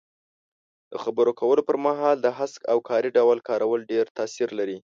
د خبرو کولو پر مهال د هسک او کاري ډول کارول ډېر تاثیر لري.